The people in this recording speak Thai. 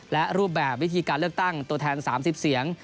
และรูปแบบวิธีการเลือกตั้งตัวแทน๓๐เสียง